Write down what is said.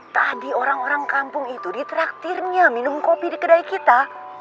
tadi orang orang kampung itu di traktirnya minum kopi di kedai kita